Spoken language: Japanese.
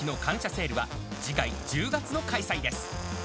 セールは、次回１０月の開催です。